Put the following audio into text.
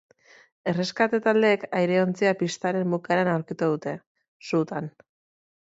Erreskate taldeek aireontzia pistaren bukaeran aurkitu dute, sutan.